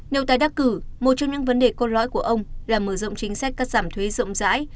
nếu tái đắc cử một trong những vấn đề cốt lõi của ông là mở rộng chính sách cắt giảm thuế rộng rãi